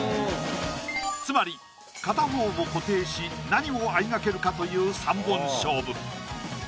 つまり片方を固定し何をあいがけるかという３本勝負！